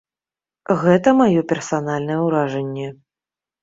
Гэта маё персанальнае ўражанне.